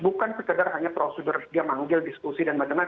bukan sekedar hanya prosedur dia manggil diskusi dan bagaimana